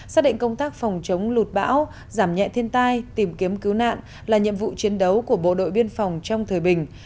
xác định công tác phòng chống lụt bão giảm nhẹ thiên tai tìm kiếm cứu nạn là nhiệm vụ chiến đấu của bộ đội biên phòng trong thời bình